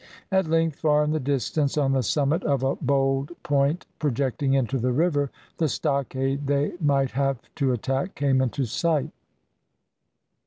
At length, far in the distance, on the summit of a bold point projecting into the river, the stockade they might have to attack came into sight.